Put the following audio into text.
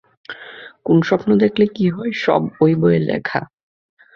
কোন স্বপ্ন দেখলে কী হয় সব ঐ বইয়ে লেখা।